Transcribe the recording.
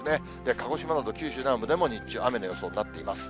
鹿児島など、九州南部でも日中雨の予想になってます。